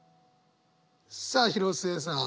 さあ広末さん。